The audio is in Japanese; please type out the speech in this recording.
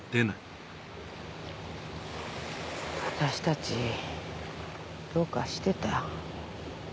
私たちどうかしてた。